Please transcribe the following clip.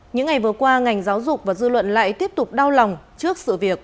những ngày vừa qua ngành giáo dục và dư luận lại tiếp tục đau lòng trước sự việc